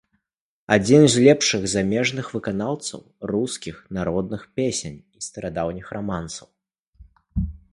Адзін з лепшых замежных выканаўцаў рускіх народных песень і старадаўніх рамансаў.